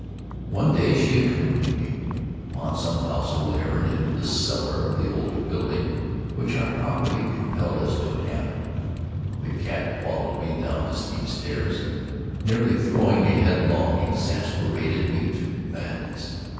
One day she accompanied me, upon some household errand, into the cellar of the old building which our poverty compelled us to inhabit. The cat followed me down the steep stairs, and, nearly throwing me headlong, exasperated me to madness.